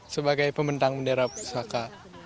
sebagai pembentang bendera pusaka